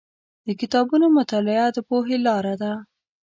د کتابونو مطالعه د پوهې لاره ده.